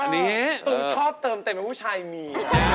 ตูมชอบเติมเต็มให้ผู้ชายมี